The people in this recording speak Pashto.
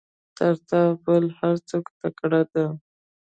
تر تا بل هر څوک تکړه ده.